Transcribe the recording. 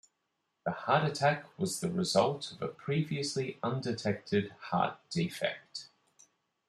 The heart attack was the result of a previously undetected heart defect.